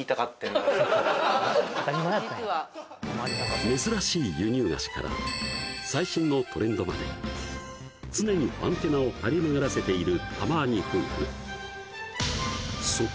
実は珍しい輸入菓子から最新のトレンドまで常にアンテナを張り巡らせているタマアニ夫婦